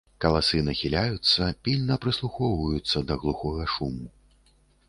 Каласы нахіляюцца, пільна прыслухоўваюцца да глухога шуму.